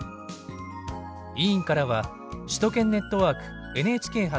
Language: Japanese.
委員からは首都圏ネットワーク「ＮＨＫ発！